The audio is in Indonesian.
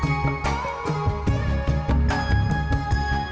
beneran kan jangan sama sukar buat stamp